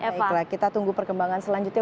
baiklah kita tunggu perkembangan selanjutnya